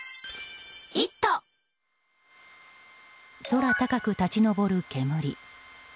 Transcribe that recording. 空高く立ち上る煙。